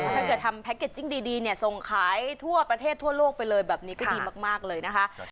ถ้าเกิดทำแพ็กเกจจิ้งดีเนี่ยส่งขายทั่วประเทศทั่วโลกไปเลยแบบนี้ก็ดีมากเลยนะคะ